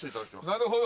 なるほど。